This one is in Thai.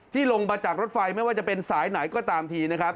ลงมาจากรถไฟไม่ว่าจะเป็นสายไหนก็ตามทีนะครับ